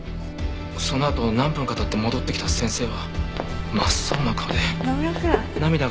そのあと何分か経って戻ってきた先生は真っ青な顔で涙がにじんでいました。